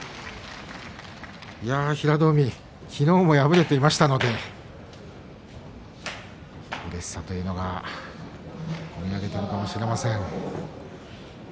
平戸海昨日も敗れていましたのでうれしさというのが込み上げているかもしれません。